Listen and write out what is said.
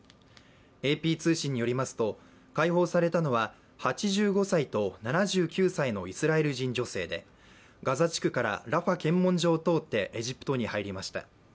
ＡＰ通信によりますと、解放されたのは８５歳と７９歳のイスラエル人女性でガザ地区からラファ検問所を通ってエジプトに入りました。